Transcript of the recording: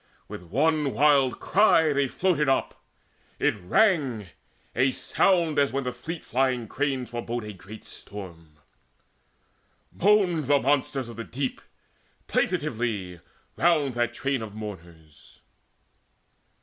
With one wild cry they floated up; it rang, A sound as when fleet flying cranes forebode A great storm. Moaned the monsters of the deep Plaintively round that train of mourners.